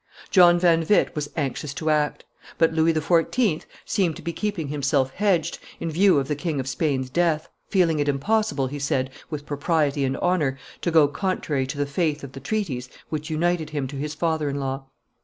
John van Witt was anxious to act; but Louis XIV. seemed to be keeping himself hedged, in view of the King of Spain's death, feeling it impossible, he said, with propriety and honor, to go contrary to the faith of the treaties which united him to his father in law.